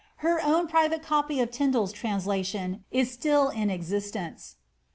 Her own private copy of Tindal's translation is still in ex iiitence.